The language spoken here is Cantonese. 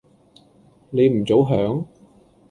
你唔早響？